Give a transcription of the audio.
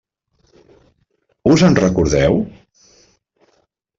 Us en recordeu?